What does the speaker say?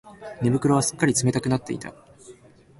寝袋はすっかり冷たくなっていた